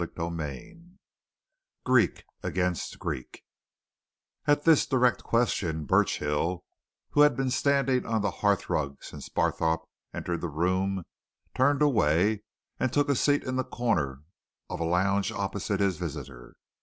CHAPTER IX GREEK AGAINST GREEK At this direct question, Burchill, who had been standing on the hearthrug since Barthorpe entered the room, turned away and took a seat in the corner of a lounge opposite his visitor.